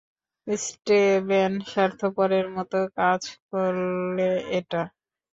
Steven, স্বার্থপরের মতো কাজ করলে এটা।